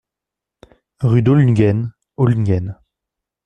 Rue d'Ohlungen, Ohlungen